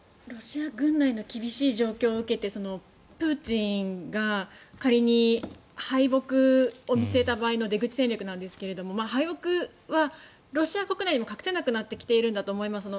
ロシア軍内の厳しい状況を受けてプーチン大統領が敗北宣言を見据えた出口戦略ですが敗北はロシア国内にも隠せなくなってきているんだと思います。